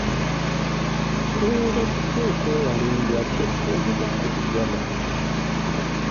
Tuyinza tutya okwewala endwadde eziva ku bugyama?